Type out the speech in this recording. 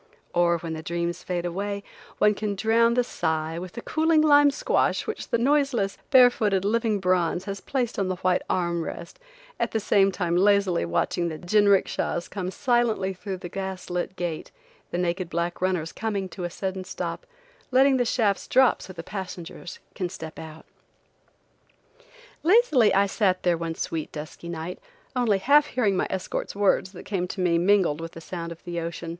Or, when the dreams fade away, one can drown the sigh with the cooling lime squash which the noiseless, bare footed, living bronze has placed on the white arm rest, at the same time lazily watching the jinrickshas come silently in through the gas lit gate, the naked black runners coming to a sudden stop, letting the shafts drop so the passenger can step out. Lazily I sat there one sweet, dusky night, only half hearing my escort's words that came to me mingled with the sound of the ocean.